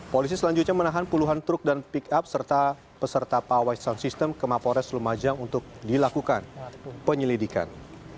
polisi selanjutnya menahan puluhan truk dan pick up serta peserta pawai sound system ke mapores lumajang untuk dilakukan penyelidikan